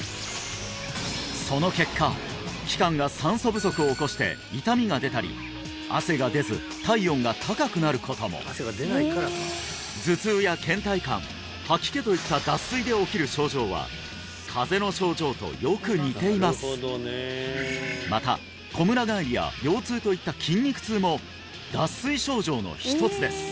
その結果器官が酸素不足を起こして痛みが出たり汗が出ず体温が高くなることも頭痛や倦怠感吐き気といったまたこむら返りや腰痛といった筋肉痛も脱水症状の一つです